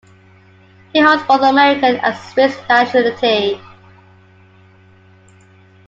He holds both American and Swiss nationality.